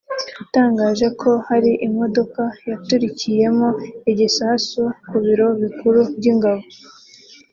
yatangaje ko hari imodoka yaturikiyemo igisasu ku biro bikuru by’ingabo